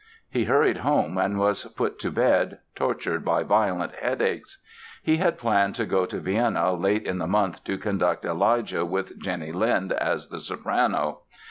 He hurried home and was put to bed, tortured by violent headaches. He had planned to go to Vienna late in the month to conduct "Elijah" with Jenny Lind as the soprano.